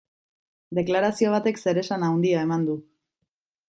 Deklarazio batek zeresan handia eman du.